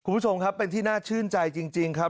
คุณผู้ชมครับเป็นที่น่าชื่นใจจริงครับ